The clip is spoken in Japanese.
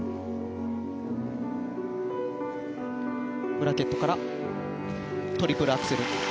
ブラケットからトリプルアクセル。